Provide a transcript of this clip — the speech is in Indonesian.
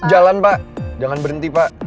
jalan pak jangan berhenti pak